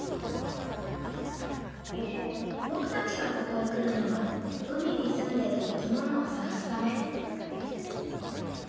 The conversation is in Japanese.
ぼくたちがここへくるのは海にすんでいる生き物をさがすため。